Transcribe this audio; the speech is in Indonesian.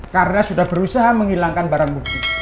karena sudah berusaha menghilangkan barang bukti